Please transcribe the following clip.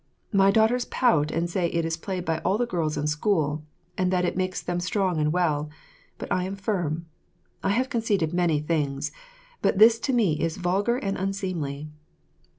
My daughters pout and say it is played by all the girls in school, and that it makes them strong and well; but I am firm. I have conceded many things, but this to me is vulgar and unseemly.